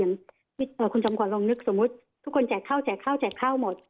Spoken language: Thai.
คุณจำขวัลลองนึกสมมุติทุกคนแจกข้าวแจกข้าวแจกข้าวหมด